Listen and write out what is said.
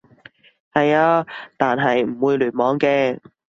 係啊，但係唔會聯網嘅